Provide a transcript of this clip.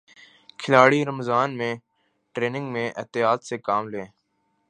کھلاڑی رمضان میں ٹریننگ میں احتیاط سے کام لیں